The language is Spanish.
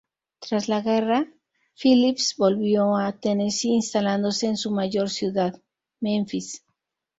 Tras la guerra, Phillips volvió a Tennessee, instalándose en su mayor ciudad, Memphis.